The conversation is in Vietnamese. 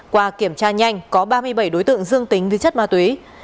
qua kiểm tra nhanh có ba mươi bảy đối tượng dương tính với chất ma túy